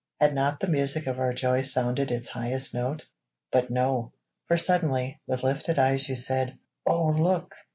Had not the music of our joy Sounded its highest note? But no, For suddenly, with lifted eyes you said, "Oh look!"